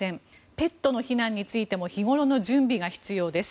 ペットの避難についても日頃の準備が必要です。